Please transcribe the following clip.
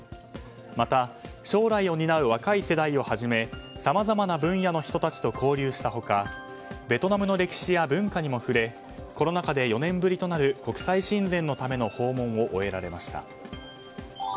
また、将来を担う若い世代をはじめさまざまな分野の人たちと交流した他ベトナムの歴史や文化にも触れコロナ禍で４年ぶりとなる国際親善のための訪問を終えられました。